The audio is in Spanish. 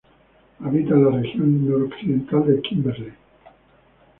Habita en la región noroccidental de Kimberley.